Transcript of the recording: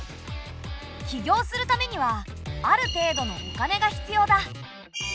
起業するためにはある程度のお金が必要だ。